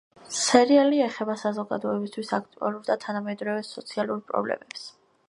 სერიალი ეხება საზოგადოებისთვის აქტუალურ და თანამედროვე სოციალურ პრობლემებს.